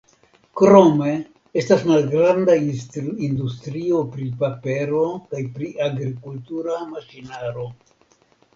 Krome estas malgranda industrio pri papero kaj pri agrikultura maŝinaro.